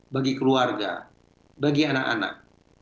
bagi keluarga bagi anak anak